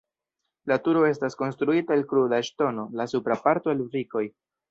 La turo estas konstruita el kruda ŝtono, la supra parto el brikoj.